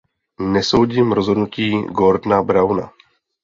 Nesoudím rozhodnutí Gordona Browna.